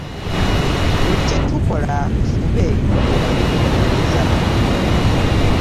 Buli kye tukola tufube okwegendereza.